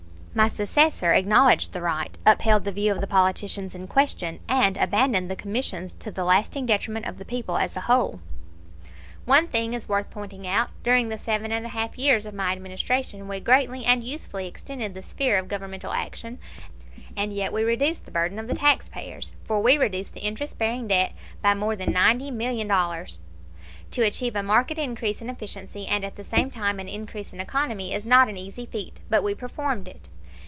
My successor acknowledged the right, upheld the view of the politicians in question, and abandoned the commissions, to the lasting detriment of the people as a whole. One thing is worth pointing out: During the seven and a half years of my Administration we greatly and usefully extended the sphere of Governmental action, and yet we reduced the burden of the taxpayers; for we reduced the interest bearing debt by more than $90,000,000. To achieve a marked increase in efficiency and at the same time an increase in economy is not an easy feat; but we performed it.